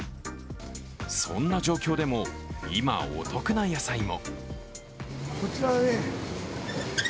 そんな状況でも今、お得な野菜も。